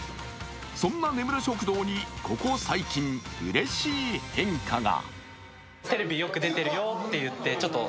そんな根室食堂にここ最近、うれしい変化が。